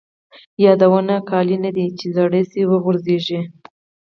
یادونه جامې نه دي ،چې زړې شي وغورځيږي